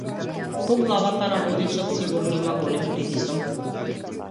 Во главата на водачот сигурно има голем притисок.